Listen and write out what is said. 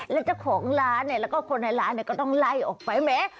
แล้วเจ้าของร้านแล้วก็คนในร้านก็ต้องไล่ออกไปแม้